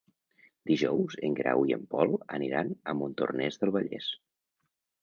Dijous en Guerau i en Pol aniran a Montornès del Vallès.